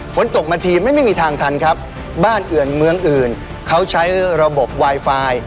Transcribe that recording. ฝนตกมาทีไม่มีทางทันครับบ้านอื่นเมืองอื่นเขาใช้ระบบไวไฟ